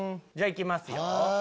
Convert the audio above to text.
じゃ行きますよ。